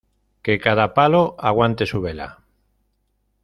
Que cada palo aguante su vela.